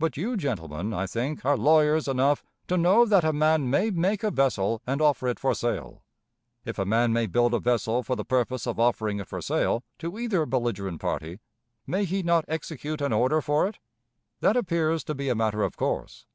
But you, gentlemen, I think, are lawyers enough to know that a man may make a vessel and offer it for sale. If a man may build a vessel for the purpose of offering it for sale to either belligerent party, may he not execute an order for it? That appears to be a matter of course.